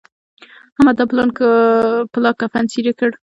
احمد دا پلا کفن څيرې کړ.